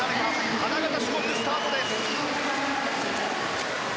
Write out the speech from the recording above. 花形種目、スタートです。